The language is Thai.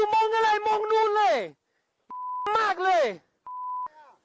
แม่งมากเลย